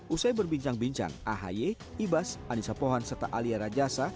usai berbincang bincang ahaye ibas anissa pohan serta alia rajasa